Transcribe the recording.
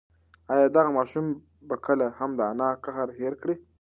ایا دغه ماشوم به کله هم د انا قهر هېر کړي؟